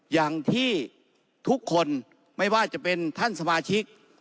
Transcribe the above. อย่างที่ทุกคนไม่ว่าจะเป็นท่านสมาชิก